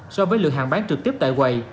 so với lượng hàng bán trực tiếp tại quầy